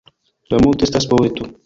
La monto estas poeto